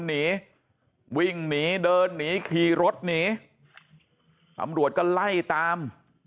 หนีวิ่งหนีเดินหนีขี่รถหนีตำรวจก็ไล่ตาม